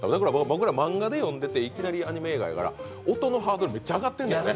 僕ら、漫画で読んでていきなりアニメ映画やから音のハードル、めっちゃ上がってるんだよね。